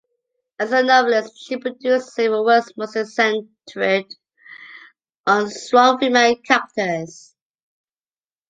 As a novelist, she produced several works mostly centred on strong female characters.